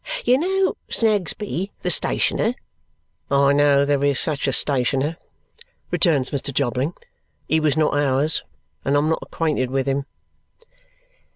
You know Snagsby the stationer?" "I know there is such a stationer," returns Mr. Jobling. "He was not ours, and I am not acquainted with him."